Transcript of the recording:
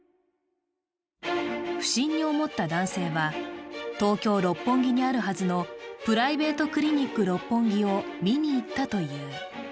不審に思った男性は、東京・六本木にあるはずのプライベートクリニック六本木を見に行ったという。